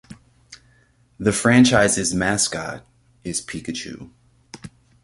The franchise's mascot is Pikachu.